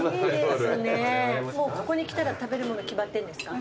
もうここに来たら食べる物決まってんですか？